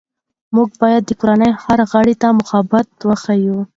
موږ باید د کورنۍ هر غړي ته محبت وښیو